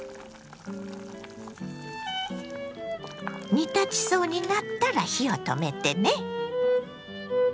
煮立ちそうになったら火を止めてね。